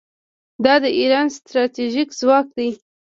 دا د ایران ستراتیژیک ځواک دی.